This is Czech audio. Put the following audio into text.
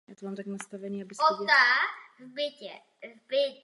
Ota v bitvě utrpěl zranění.